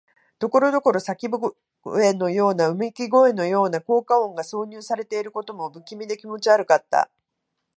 ところどころ叫び声のような、うめき声のような効果音が挿入されていることも、不気味で気持ち悪かった。